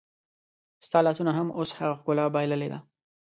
ستا لاسونو هم اوس هغه ښکلا بایللې ده